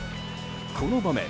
この場面